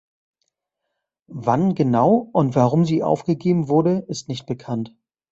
Wann genau und warum sie aufgegeben wurde, ist nicht bekannt.